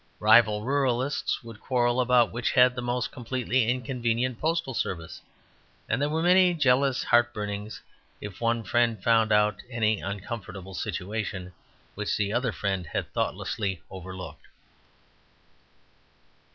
Rival ruralists would quarrel about which had the most completely inconvenient postal service; and there were many jealous heartburnings if one friend found out any uncomfortable situation which the other friend had thoughtlessly overlooked.